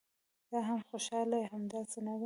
ته هم خوشاله یې، همداسې نه ده؟